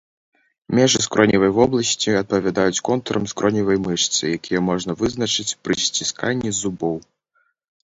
Межы скроневай вобласці адпавядаюць контурам скроневай мышцы, якія можна вызначыць пры сцісканні зубоў.